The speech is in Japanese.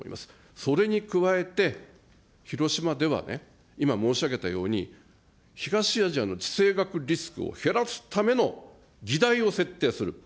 それに加えて、広島ではね、今申し上げたように、東アジアの地政学リスクを減らすための議題を設定する。